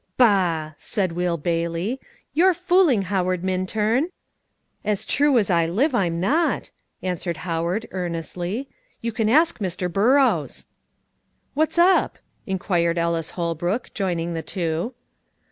"Bah," said Will Bailey, "you're fooling, Howard Minturn!" "As true as I live, I'm not," answered Howard earnestly; "you can ask Mr. Burrows." "What's up?" inquired Ellis Holbrook, joining the two.